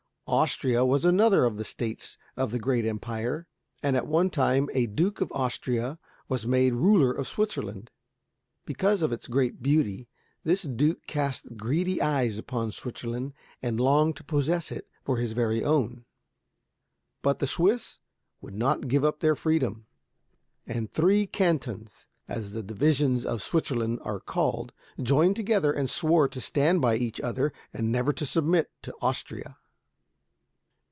Austria was another of the states of the great empire, and at one time a Duke of Austria was made ruler of Switzerland. Because of its great beauty, this duke cast greedy eyes upon Switzerland and longed to possess it for his very own. But the Swiss would not give up their freedom; and three cantons, as the divisions of Switzerland are called, joined together, and swore to stand by each other, and never to submit to Austria.